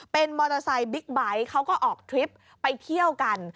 เป็นมอเตอร์ไซค์บิ๊กไบท์เขาก็ออกทริปไปเที่ยวกัน